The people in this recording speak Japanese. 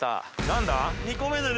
何だ？